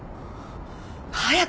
早く！